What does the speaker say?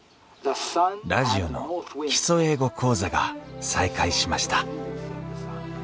ラジオの「基礎英語講座」が再開しました